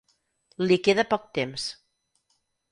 Li queda poc temps.